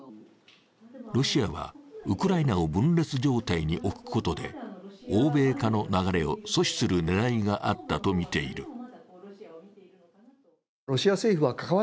ロシアはウクライナを分裂状態に置くことで欧米化の流れを阻止する狙いがあったとみている。